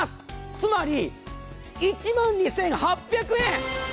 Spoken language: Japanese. つまり、１万２８００円。